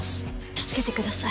助けてください。